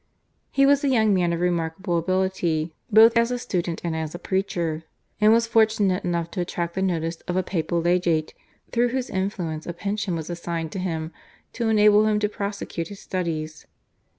He was a young man of remarkable ability both as a student and as a preacher, and was fortunate enough to attract the notice of a papal legate, through whose influence a pension was assigned to him to enable him to prosecute his studies.